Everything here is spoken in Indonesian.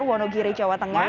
di waduk gajah mungkut